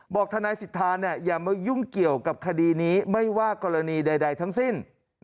ทนายสิทธาอย่ามายุ่งเกี่ยวกับคดีนี้ไม่ว่ากรณีใดทั้งสิ้น